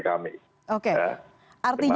mengikuti aturan partai kami